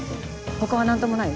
他は何ともない？